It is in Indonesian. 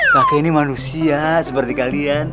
pakai ini manusia seperti kalian